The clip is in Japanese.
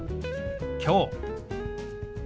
「きょう」。